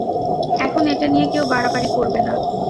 এখন এটা নিয়ে কেউ বাড়াবাড়ি করবে না।